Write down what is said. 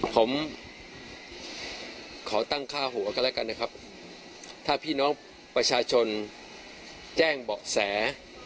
ผมขอตั้งค่าหัวกันแล้วกันนะครับถ้าพี่น้องประชาชนแจ้งเบาะแส